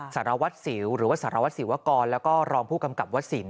สารวัตรสิวหรือว่าสารวัสสิวกรแล้วก็รองผู้กำกับวัสสิน